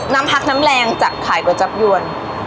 น้ำพักน้ำแรงจากขายก๋วยจับยวน